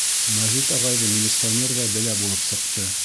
Мәжит ағайҙы милиционер ҙа белә булып сыҡты.